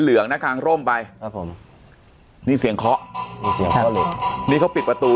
เหลืองหน้าคางร่มไปครับผมนี่เสียงเขาเหล็กนี่เขาปิดประตู